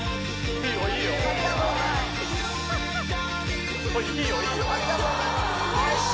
いいよいいよ。